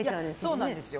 そうなんですよ。